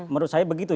menurut saya begitu